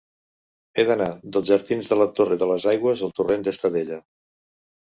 He d'anar dels jardins de la Torre de les Aigües al torrent d'Estadella.